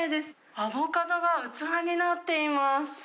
アボカドが器になっています。